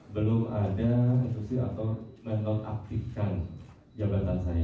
belum ada instruksi atau menton aktifkan jabatan saya